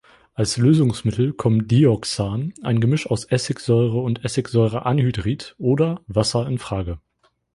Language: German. Als Lösungsmittel kommen Dioxan, ein Gemisch aus Essigsäure und Essigsäureanhydrid oder Wasser in Frage.